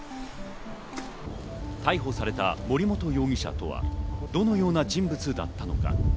逮捕された森本容疑者とはどのような人物だったのか。